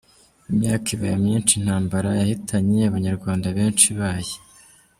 Imyaka ibaye myinshi intambara yahitanye abanyarwanda benshi ibaye.